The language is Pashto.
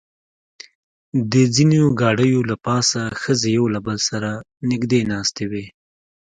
د ځینو ګاډیو له پاسه ښځې یو له بل سره نږدې ناستې وې.